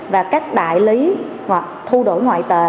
và các đại lý hoặc thu đổi ngoại tệ